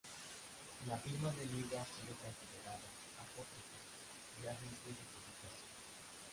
La firma del libro ha sido considerada apócrifa ya desde su publicación.